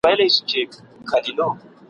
خدایه مور مه کړې پر داسي جانان بوره !.